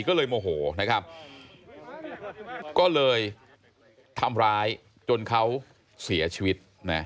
ก็เลยโมโหนะครับก็เลยทำร้ายจนเขาเสียชีวิต